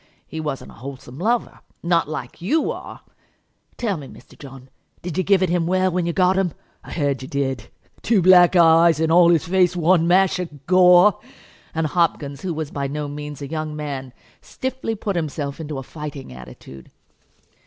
He wasn't a wholesome lover, not like you are. Tell me, Mr. John, did you give it him well when you got him? I heard you did; two black eyes, and all his face one mash of gore!" And Hopkins, who was by no means a young man, stiffly put himself into a fighting attitude.